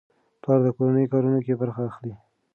پلار د کور کارونو کې برخه اخلي.